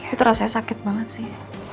itu rasanya sakit banget sih